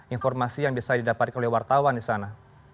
informasi yang bisa didapatkan oleh wartawan di sana